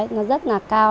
nó rất là cao